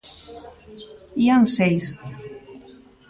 Ían seis.